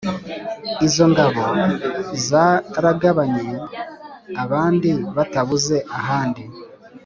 Izo ngabo Zaragabanye abandi Batabuze ahandi!